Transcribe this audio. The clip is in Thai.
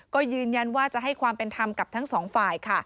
ก็ยืนยันว่าจะให้ความเป็นธรรมกับทั้งสองฝ่ายค่ะ